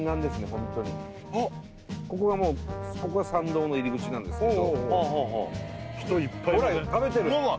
ホントにここが参道の入り口なんですけど人いっぱいいません？